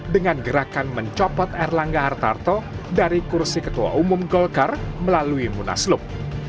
dengan gerakan mencopot erlangga hartarto dari kursi ketua umum golkar melalui munaslup